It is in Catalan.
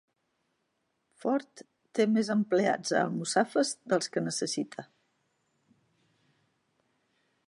Ford té més empleats a Almussafes dels que necessita